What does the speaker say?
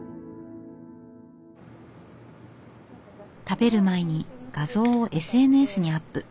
食べる前に画像をＳＮＳにアップ。